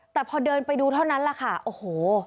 แต่พอเดินไปดูเท่านั้นแหละค่ะโอ้โห